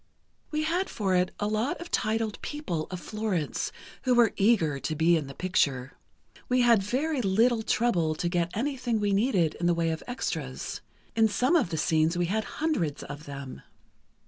"We had for it a lot of titled people of Florence, who were eager to be in the picture. We had very little trouble to get anything we needed in the way of extras. In some of the scenes, we had hundreds of them.